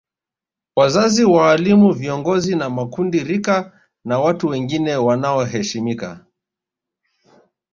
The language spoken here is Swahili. Wazazi waalimu viongizi wa makundi rika na watu wengine wanaoheshimika